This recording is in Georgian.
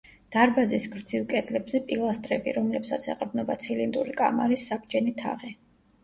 დარბაზის გრძივ კედლებზე პილასტრები, რომლებსაც ეყრდნობა ცილინდრული კამარის საბჯენი თაღი.